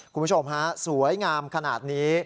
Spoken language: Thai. คุณผู้ชมฮะสวยงามขนาดนี้